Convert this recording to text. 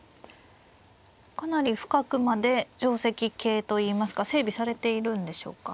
かなり深くまで定跡形といいますか整備されているんでしょうか。